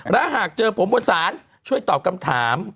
และหากเจอผมบนศาลช่วยตอบคำถาม